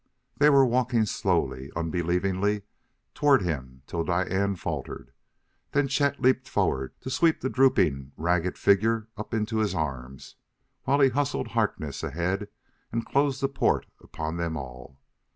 They were walking slowly, unbelievingly, toward him till Diane faltered. Then Chet leaped forward to sweep the drooping, ragged figure up into his arms while he hustled Harkness ahead and closed the port upon them all.